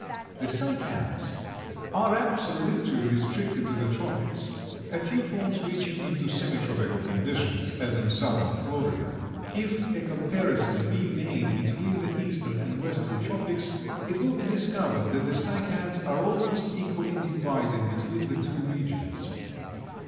The Cycads are absolutely restricted to the tropics, a few forms reaching into semi tropical conditions, as in southern Florida. If a comparison be made between the eastern and western tropics, it will be discovered that the Cycads are almost equally divided between the two regions.